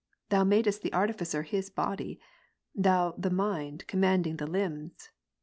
Thou madest the artificer his body. Thou the mind commanding the limbs.